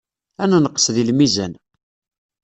Ad nenqes deg lmizan.